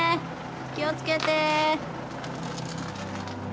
気を付けて。